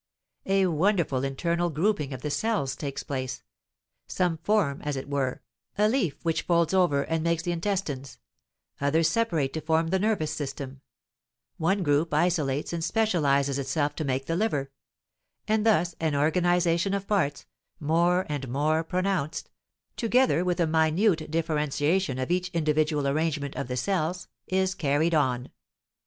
A wonderful internal grouping of the cells takes place; some form, as it were, a leaf which folds over and makes the intestines, others separate to form the nervous system, one group isolates and specializes itself to make the liver, and thus an organization of parts, more and more pronounced, together with a minute differentiation of each individual arrangement of the cells, is carried on.